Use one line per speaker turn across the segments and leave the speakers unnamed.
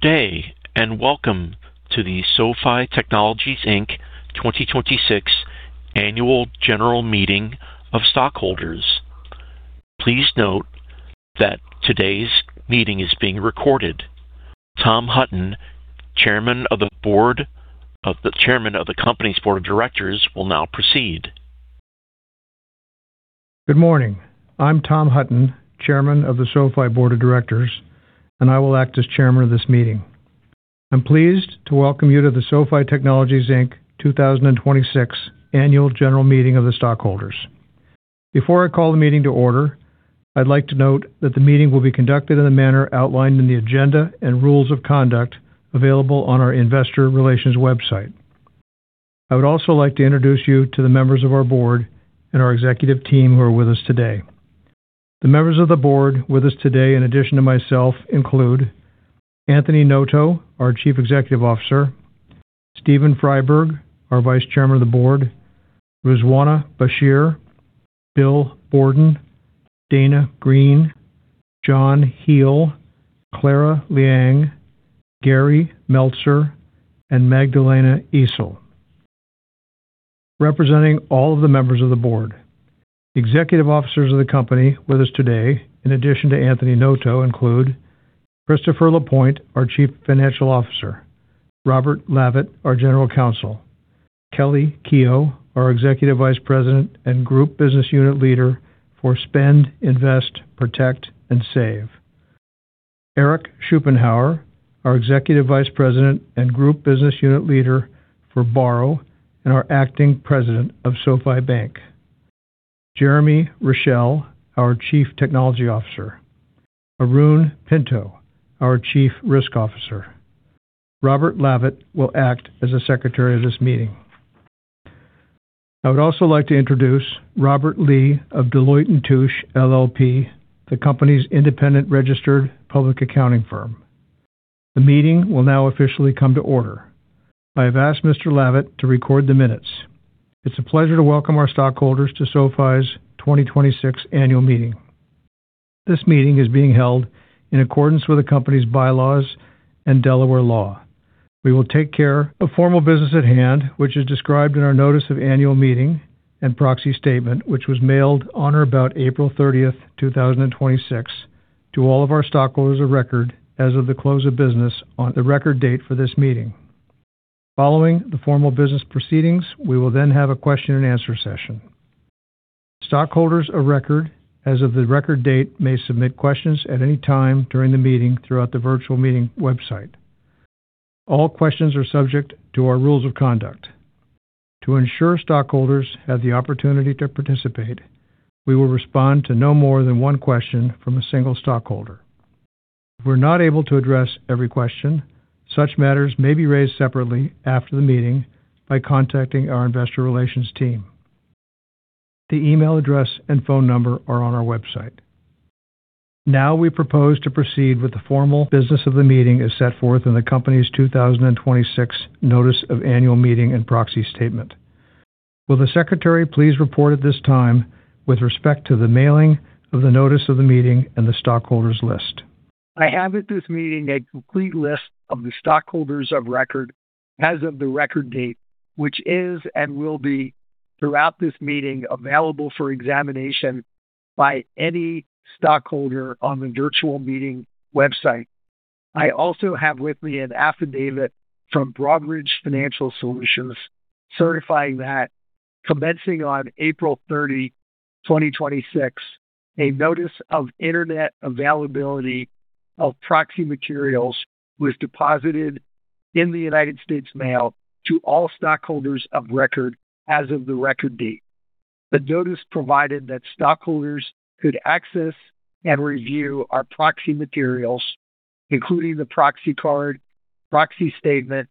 Day. Welcome to the SoFi Technologies, Inc. 2026 annual general meeting of stockholders. Please note that today's meeting is being recorded. Tom Hutton, chairman of the company's board of directors, will now proceed.
Good morning. I'm Tom Hutton, chairman of the SoFi board of directors, and I will act as chairman of this meeting. I'm pleased to welcome you to the SoFi Technologies, Inc. 2026 annual general meeting of the stockholders. Before I call the meeting to order, I'd like to note that the meeting will be conducted in the manner outlined in the agenda and rules of conduct available on our investor relations website. I would also like to introduce you to the members of our board and our executive team who are with us today. The members of the board with us today, in addition to myself, include Anthony Noto, our Chief Executive Officer, Steven Freiberg, our Vice Chairman of the board, Ruzwana Bashir, Bill Borden, Dana Green, John Hele, Clara Liang, Gary Meltzer, Magdalena Yeşil, representing all of the members of the board. Executive officers of the company with us today, in addition to Anthony Noto, include Christopher Lapointe, our Chief Financial Officer, Robert Lavet, our General Counsel, Kelli Keough, our Executive Vice President and Group Business Unit Leader for Spend, Invest, Protect and Save, Eric Schuppenhauer, our Executive Vice President and Group Business Unit Leader for Borrow and our acting president of SoFi Bank, Jeremy Rishel, our Chief Technology Officer, Arun Pinto, our Chief Risk Officer. Robert Lavet will act as the secretary of this meeting. I would also like to introduce Robert Lee of Deloitte & Touche LLP, the company's independent registered public accounting firm. The meeting will now officially come to order. I have asked Mr. Lavet to record the minutes. It's a pleasure to welcome our stockholders to SoFi's 2026 annual meeting. This meeting is being held in accordance with the company's bylaws and Delaware law. We will take care of formal business at hand, which is described in our notice of annual meeting and proxy statement, which was mailed on or about April 30th, 2026 to all of our stockholders of record as of the close of business on the record date for this meeting. Following the formal business proceedings, we will then have a question and answer session. Stockholders of record as of the record date may submit questions at any time during the meeting throughout the virtual meeting website. All questions are subject to our rules of conduct. To ensure stockholders have the opportunity to participate, we will respond to no more than one question from a single stockholder. If we're not able to address every question, such matters may be raised separately after the meeting by contacting our investor relations team. The email address and phone number are on our website. We propose to proceed with the formal business of the meeting as set forth in the company's 2026 notice of annual meeting and proxy statement. Will the secretary please report at this time with respect to the mailing of the notice of the meeting and the stockholders list?
I have at this meeting a complete list of the stockholders of record as of the record date, which is and will be, throughout this meeting, available for examination by any stockholder on the virtual meeting website. I also have with me an affidavit from Broadridge Financial Solutions certifying that commencing on April 30, 2026, a notice of internet availability of proxy materials was deposited in the United States Mail to all stockholders of record as of the record date. The notice provided that stockholders could access and review our proxy materials, including the proxy card, proxy statement,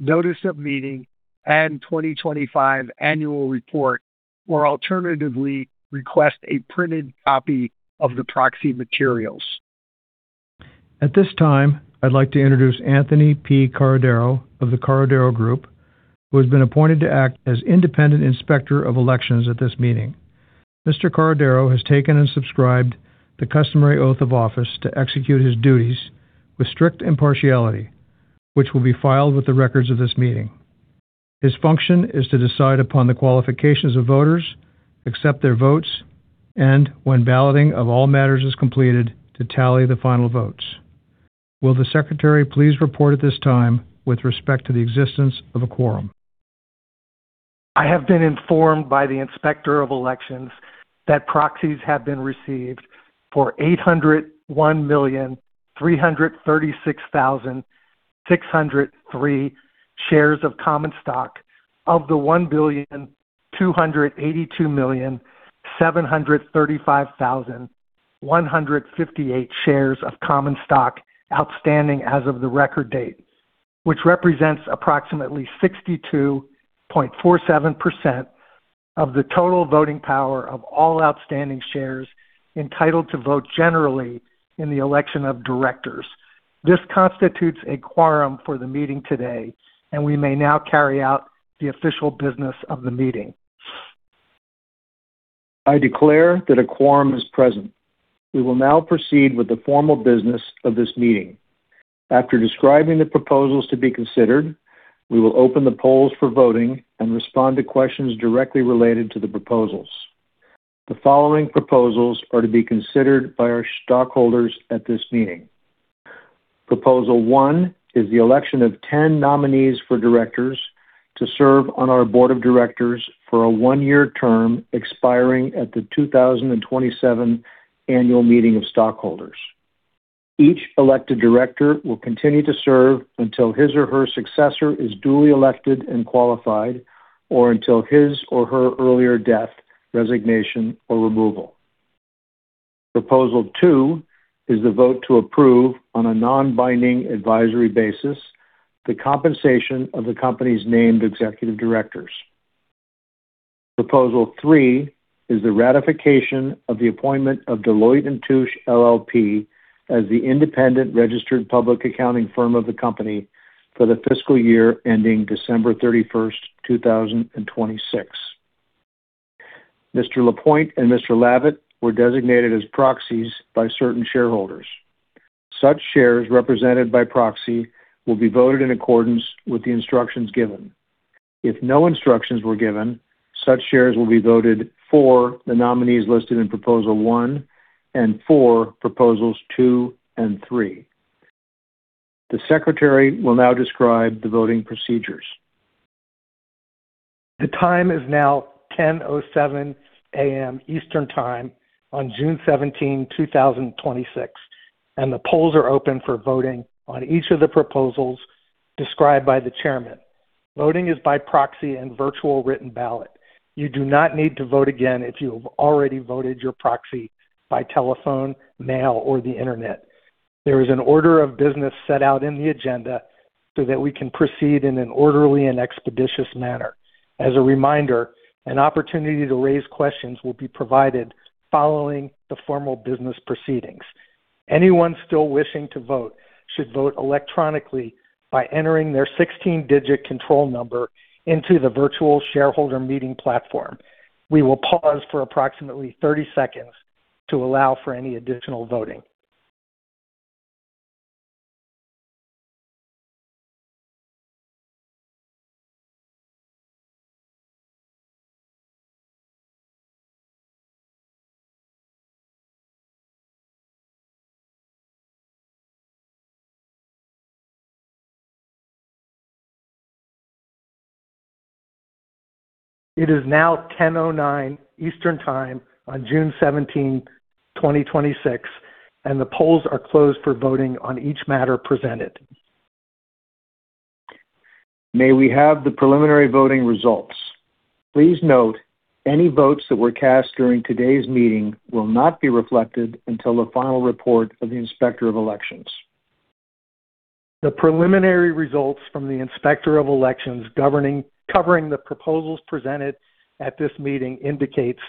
notice of meeting, and 2025 annual report, or alternatively request a printed copy of the proxy materials.
At this time, I'd like to introduce [Anthony P. Carideo. of the Carideo Group], who has been appointed to act as independent inspector of elections at this meeting. Mr. Caradaro has taken and subscribed the customary oath of office to execute his duties with strict impartiality, which will be filed with the records of this meeting. His function is to decide upon the qualifications of voters, accept their votes, and when balloting of all matters is completed, to tally the final votes. Will the secretary please report at this time with respect to the existence of a quorum?
I have been informed by the Inspector of Elections that proxies have been received for 801,336,603 shares of common stock of the 1,282,735,158 shares of common stock outstanding as of the record date, which represents approximately 62.47% of the total voting power of all outstanding shares entitled to vote generally in the election of directors. This constitutes a quorum for the meeting today, we may now carry out the official business of the meeting.
I declare that a quorum is present. We will now proceed with the formal business of this meeting. After describing the proposals to be considered, we will open the polls for voting and respond to questions directly related to the proposals. The following proposals are to be considered by our stockholders at this meeting. Proposal 1 is the election of 10 nominees for directors to serve on our board of directors for a one-year term expiring at the 2027 annual meeting of stockholders. Each elected director will continue to serve until his or her successor is duly elected and qualified, or until his or her earlier death, resignation, or removal. Proposal 2 is the vote to approve, on a non-binding advisory basis, the compensation of the company's named executive directors. Proposal 3 is the ratification of the appointment of Deloitte & Touche LLP as the independent registered public accounting firm of the company for the fiscal year ending December 31, 2026. Mr. Lapointe and Mr. Lavet were designated as proxies by certain shareholders. Such shares represented by proxy will be voted in accordance with the instructions given. If no instructions were given, such shares will be voted for the nominees listed in Proposal 1 and for Proposals 2 and 3. The secretary will now describe the voting procedures.
The time is now 10:07 A.M. Eastern Time on June 17, 2026, and the polls are open for voting on each of the proposals described by the chairman. Voting is by proxy and virtual written ballot. You do not need to vote again if you have already voted your proxy by telephone, mail, or the internet. There is an order of business set out in the agenda so that we can proceed in an orderly and expeditious manner. As a reminder, an opportunity to raise questions will be provided following the formal business proceedings. Anyone still wishing to vote should vote electronically by entering their 16-digit control number into the virtual shareholder meeting platform. We will pause for approximately 30 seconds to allow for any additional voting. It is now 10:09 A.M. Eastern Time on June 17, 2026, and the polls are closed for voting on each matter presented.
May we have the preliminary voting results? Please note any votes that were cast during today's meeting will not be reflected until the final report of the Inspector of Elections.
The preliminary results from the Inspector of Elections covering the proposals presented at this meeting indicates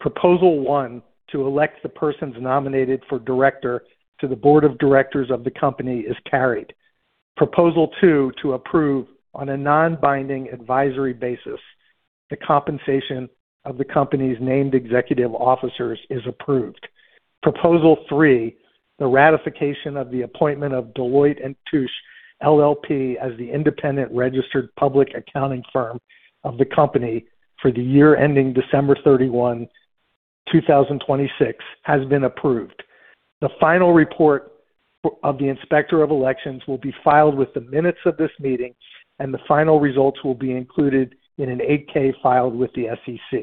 proposal one, to elect the persons nominated for director to the board of directors of the company is carried. Proposal two, to approve on a non-binding advisory basis the compensation of the company's named executive officers is approved. Proposal three, the ratification of the appointment of Deloitte & Touche LLP as the independent registered public accounting firm of the company for the year ending December 31, 2026, has been approved. The final report of the Inspector of Elections will be filed with the minutes of this meeting, and the final results will be included in an 8-K filed with the SEC.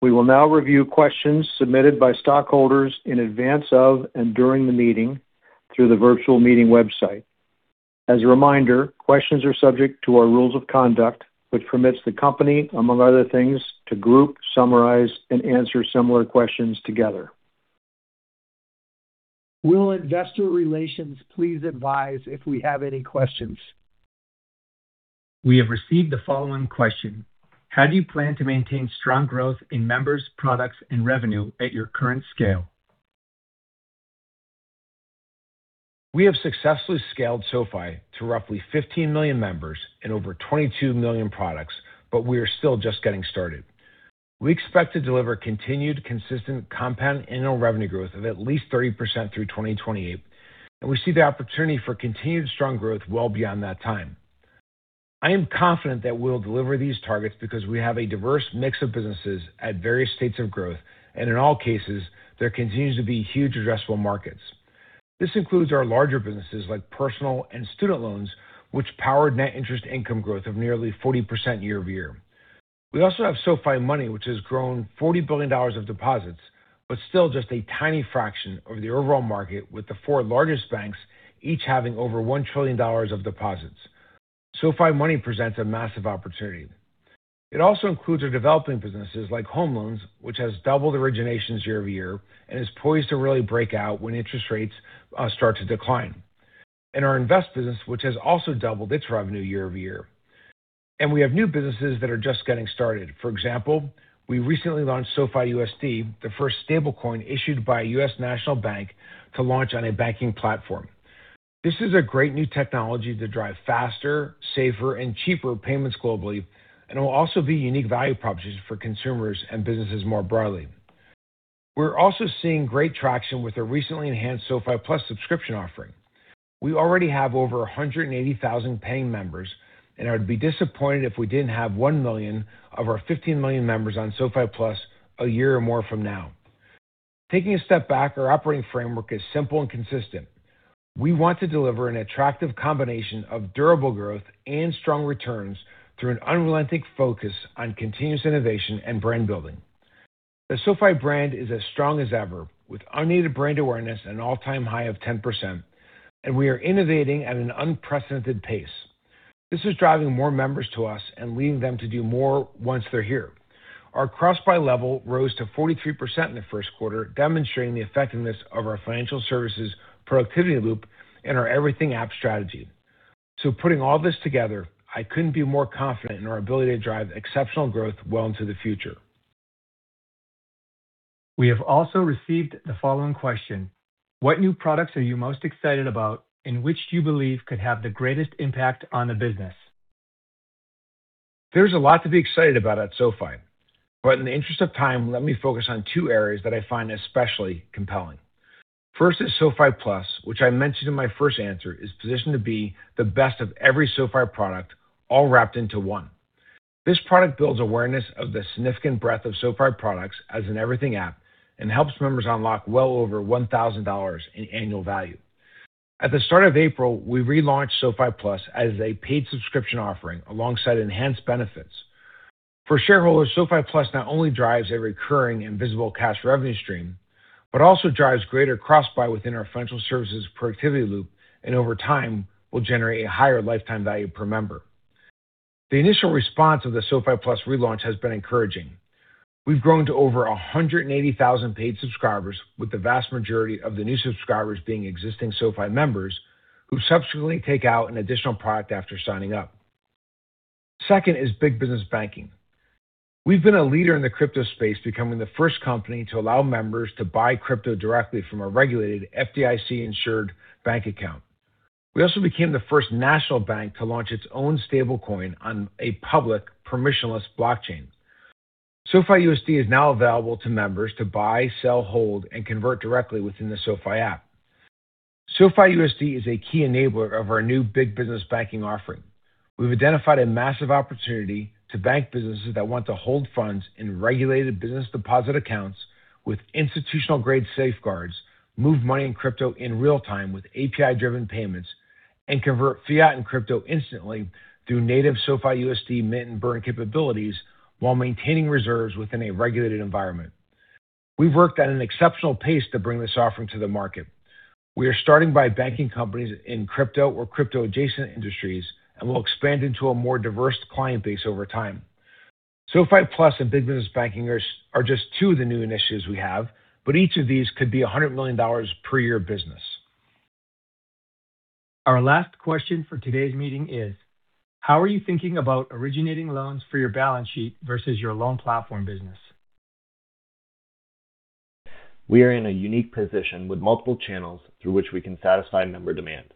We will now review questions submitted by stockholders in advance of and during the meeting through the virtual meeting website. As a reminder, questions are subject to our rules of conduct, which permits the company, among other things, to group, summarize, and answer similar questions together.
Will investor relations please advise if we have any questions?
We have received the following question: How do you plan to maintain strong growth in members, products, and revenue at your current scale?
We have successfully scaled SoFi to roughly 15 million members and over 22 million products. We are still just getting started. We expect to deliver continued, consistent compound annual revenue growth of at least 30% through 2028. We see the opportunity for continued strong growth well beyond that time. I am confident that we'll deliver these targets because we have a diverse mix of businesses at various states of growth, and in all cases, there continues to be huge addressable markets. This includes our larger businesses like personal and student loans, which powered net interest income growth of nearly 40% year-over-year. We also have SoFi Money, which has grown $40 billion of deposits, but still just a tiny fraction of the overall market, with the four largest banks each having over $1 trillion of deposits. SoFi Money presents a massive opportunity. It also includes our developing businesses like home loans, which has doubled originations year-over-year and is poised to really break out when interest rates start to decline. Our invest business, which has also doubled its revenue year-over-year. We have new businesses that are just getting started. For example, we recently launched SoFiUSD, the first stablecoin issued by a U.S. national bank to launch on a banking platform. This is a great new technology to drive faster, safer, and cheaper payments globally and will also be a unique value proposition for consumers and businesses more broadly. We're also seeing great traction with our recently enhanced SoFi Plus subscription offering. We already have over 180,000 paying members. I would be disappointed if we didn't have one million of our 15 million members on SoFi Plus a year or more from now. Taking a step back, our operating framework is simple and consistent. We want to deliver an attractive combination of durable growth and strong returns through an unrelenting focus on continuous innovation and brand building. The SoFi brand is as strong as ever, with unaided brand awareness at an all-time high of 10%. We are innovating at an unprecedented pace. This is driving more members to us and leading them to do more once they're here. Our cross-buy level rose to 43% in the first quarter, demonstrating the effectiveness of our financial services productivity loop and our everything app strategy. Putting all this together, I couldn't be more confident in our ability to drive exceptional growth well into the future.
We have also received the following question: What new products are you most excited about and which do you believe could have the greatest impact on the business?
There's a lot to be excited about at SoFi. In the interest of time, let me focus on two areas that I find especially compelling. First is SoFi Plus, which I mentioned in my first answer is positioned to be the best of every SoFi product all wrapped into one. This product builds awareness of the significant breadth of SoFi products as an everything app and helps members unlock well over $1,000 in annual value. At the start of April, we relaunched SoFi Plus as a paid subscription offering alongside enhanced benefits. For shareholders, SoFi Plus not only drives a recurring and visible cash revenue stream but also drives greater cross-buy within our financial services productivity loop and over time, will generate a higher lifetime value per member. The initial response of the SoFi Plus relaunch has been encouraging. We've grown to over 180,000 paid subscribers, with the vast majority of the new subscribers being existing SoFi members who subsequently take out an additional product after signing up. Second is Big Business Banking. We've been a leader in the crypto space, becoming the first company to allow members to buy crypto directly from a regulated FDIC-insured bank account. We also became the first national bank to launch its own stable coin on a public permissionless blockchain. SoFi USD is now available to members to buy, sell, hold, and convert directly within the SoFi app. SoFi USD is a key enabler of our new Big Business Banking offering. We've identified a massive opportunity to bank businesses that want to hold funds in regulated business deposit accounts with institutional-grade safeguards, move money and crypto in real-time with API-driven payments, and convert fiat and crypto instantly through native SoFi USD mint and burn capabilities while maintaining reserves within a regulated environment. We've worked at an exceptional pace to bring this offering to the market. We are starting by banking companies in crypto or crypto-adjacent industries and will expand into a more diverse client base over time. SoFi Plus and Big Business Banking are just two of the new initiatives we have, but each of these could be $100 million per year business.
Our last question for today's meeting is: How are you thinking about originating loans for your balance sheet versus your loan platform business?
We are in a unique position with multiple channels through which we can satisfy member demand.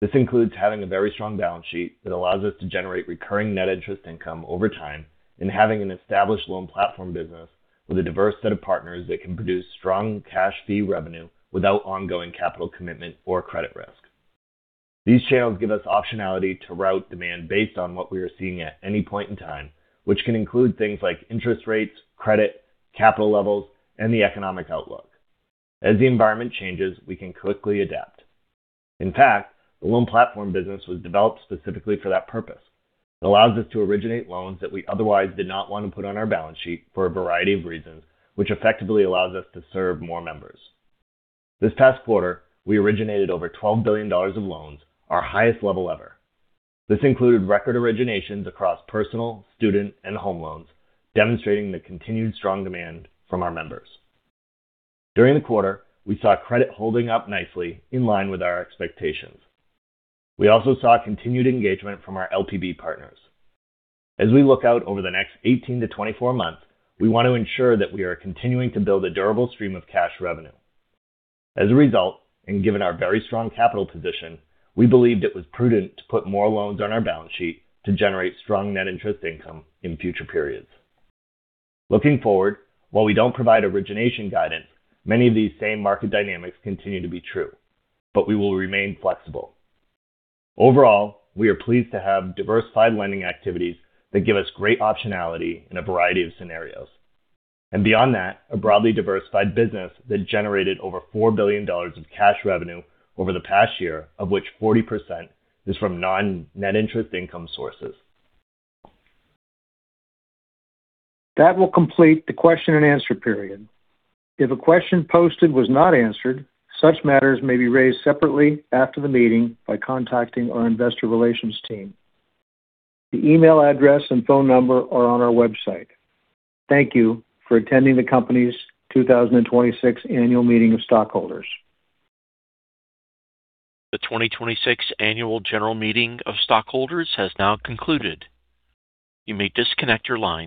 This includes having a very strong balance sheet that allows us to generate recurring net interest income over time and having an established loan platform business with a diverse set of partners that can produce strong cash fee revenue without ongoing capital commitment or credit risk. These channels give us optionality to route demand based on what we are seeing at any point in time, which can include things like interest rates, credit, capital levels, and the economic outlook. As the environment changes, we can quickly adapt. In fact, the loan platform business was developed specifically for that purpose. It allows us to originate loans that we otherwise did not want to put on our balance sheet for a variety of reasons, which effectively allows us to serve more members. This past quarter, we originated over $12 billion of loans, our highest level ever. This included record originations across personal, student, and home loans, demonstrating the continued strong demand from our members. During the quarter, we saw credit holding up nicely in line with our expectations. We also saw continued engagement from our [LPB partners.] As we look out over the next 18 to 24 months, we want to ensure that we are continuing to build a durable stream of cash revenue. As a result, given our very strong capital position, we believed it was prudent to put more loans on our balance sheet to generate strong net interest income in future periods. Looking forward, while we don't provide origination guidance, many of these same market dynamics continue to be true, we will remain flexible. Overall, we are pleased to have diversified lending activities that give us great optionality in a variety of scenarios. Beyond that, a broadly diversified business that generated over $4 billion of cash revenue over the past year, of which 40% is from non-net interest income sources.
That will complete the question and answer period. If a question posted was not answered, such matters may be raised separately after the meeting by contacting our investor relations team. The email address and phone number are on our website. Thank you for attending the company's 2026 annual meeting of stockholders.
The 2026 annual general meeting of stockholders has now concluded. You may disconnect your lines.